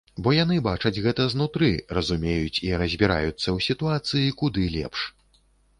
Бо яны бачаць гэта знутры, разумеюць і разбіраюцца ў сітуацыі куды лепш.